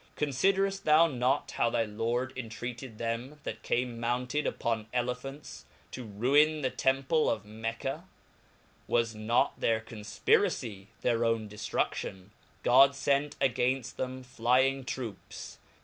Confiderdft thou not how thy Lord entreated them that came mounted upon Elephants, to ruine the Temple of Mecca ^ Wa$ riot their confpiracie their own deftrudion ? God fent againft them flying troups.